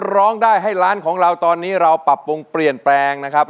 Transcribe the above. ร้องได้ให้ล้านของเราตอนนี้เราปรับปรุงเปลี่ยนแปลงนะครับ